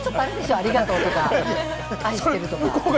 ありがとうとか愛してるとか。